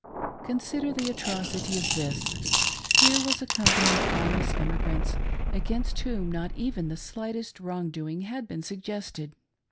Consider the atrocity of this. Here was a company of harmless emigrants, against whom not even the slightest wrong doing had been suggested.